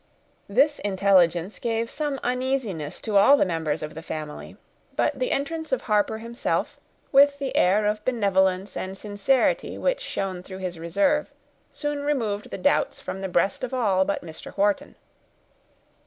This intelligence gave some uneasiness to all the members of the family; but the entrance of Harper himself, with the air of benevolence and sincerity which shone through his reserve, soon removed the doubts from the breast of all but Mr. Wharton.